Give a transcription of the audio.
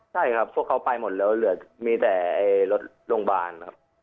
ใช่ครับพวกเขาไปหมดแล้วเหลือมีแต่รถโรงพยาบาลครับ